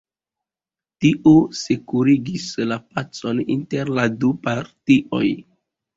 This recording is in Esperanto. Tio sekurigis la pacon inter la du partioj.